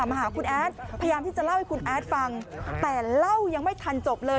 มาหาคุณแอดพยายามที่จะเล่าให้คุณแอดฟังแต่เล่ายังไม่ทันจบเลย